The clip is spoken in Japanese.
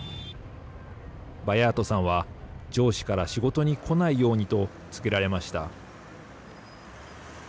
バヤートさんは上司から仕事に来ないようにと告げられました。